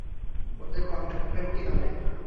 ওদের কন্ট্যাক্ট পেলে কীভাবে?